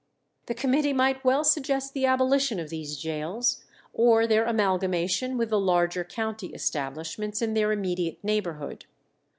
The committee might well suggest the abolition of these gaols, or their amalgamation with the larger county establishments in their immediate neighbourhood.